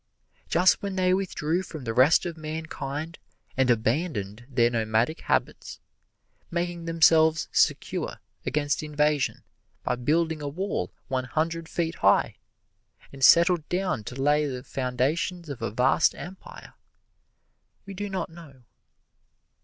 Just when they withdrew from the rest of mankind and abandoned their nomadic habits, making themselves secure against invasion by building a wall one hundred feet high, and settled down to lay the foundations of a vast empire, we do not know.